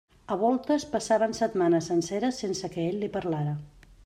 A voltes passaven setmanes senceres sense que ell li parlara.